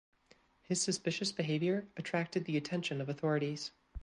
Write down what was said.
His suspicious behavior attracted the attention of authorities.